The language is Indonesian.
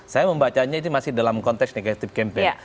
saya membacanya ini masih dalam konteks negatif campaign